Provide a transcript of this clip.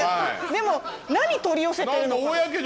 でも何取り寄せてるのか。